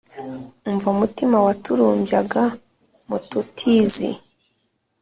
umva mutima waturumbyaga mututizi